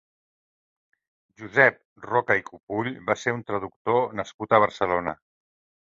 Josep Roca i Cupull va ser un traductor nascut a Barcelona.